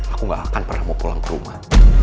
aku gak akan pernah mau pulang ke rumah